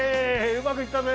うまくいったぜ！